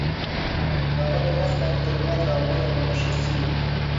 د هغه په مخ باندې د لمر داغونه په نښه شوي وو.